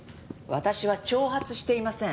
私は挑発していません。